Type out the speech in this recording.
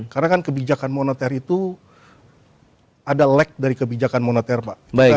karena kan kebijakan moneter itu ada lag dari kebijakan moneter pak